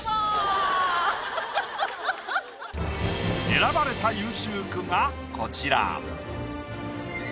選ばれた優秀句がこちら。